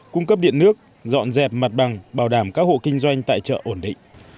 cung cấp điện nước dọn dẹp mặt bằng bảo đảm các hộ kinh doanh tại chợ ổn định